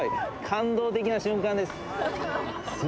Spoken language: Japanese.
感動的な瞬間です。